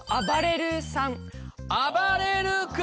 あばれる君！